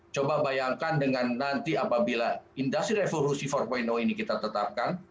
coba bayangkan dengan nanti apabila industri revolusi empat ini kita tetapkan